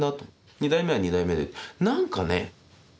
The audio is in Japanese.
二代目は二代目で何かね